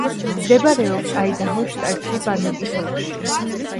მდებარეობს აიდაჰოს შტატში, ბანოკის ოლქში.